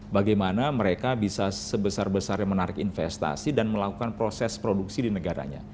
bagaimana mereka bisa sebesar besarnya menarik investasi dan melakukan proses produksi di negaranya